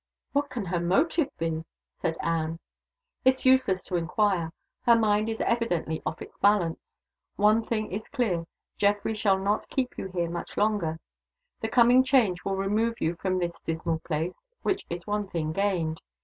"What can her motive be?" said Anne. "It's useless to inquire. Her mind is evidently off its balance. One thing is clear, Geoffrey shall not keep you here much longer. The coming change will remove you from this dismal place which is one thing gained.